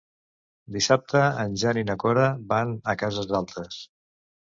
Dissabte en Jan i na Cora van a Cases Altes.